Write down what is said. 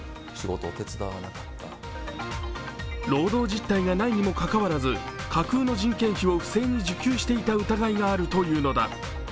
労働実態がないにもかかわらず架空の人件費を不正に受給していた疑いがあるというのだ。